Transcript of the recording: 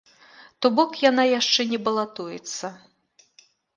То бок яна яшчэ не балатуецца.